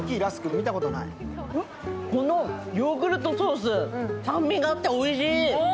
このヨーグルトソース、酸味があっておいしい。